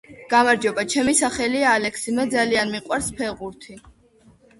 გამარჯობა ჩემი სახელია ალექსი მე ძალიან მიყვარს ფეხბურთი